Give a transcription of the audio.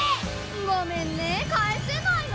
ごめんねかえせないの。